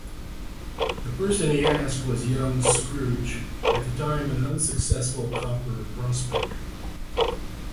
The person he asked was young Scrooge, at the time an unsuccessful copper prospector.